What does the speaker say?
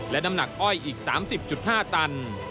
และน้ำหนักอ้อยอีก๓๐๕ตัน